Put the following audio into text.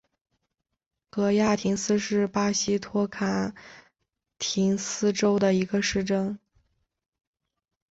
戈亚廷斯是巴西托坎廷斯州的一个市镇。